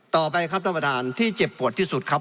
ต่อไปครับท่านประธานที่เจ็บปวดที่สุดครับ